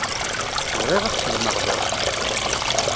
Bɣiɣ ad t-xedmeɣ daɣen.